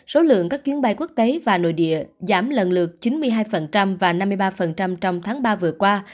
số lượng các chuyến bay quốc tế và nội địa giảm lần lượt chín mươi hai và năm mươi ba trong tháng ba vừa qua